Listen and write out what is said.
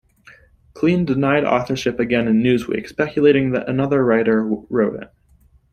Klein denied authorship again in "Newsweek", speculating that another writer wrote it.